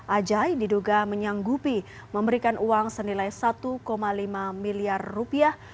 ajai diduga menyanggupi memberikan uang senilai satu lima miliar rupiah